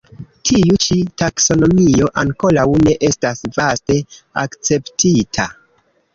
Tiu ĉi taksonomio ankoraŭ ne estas vaste akceptita.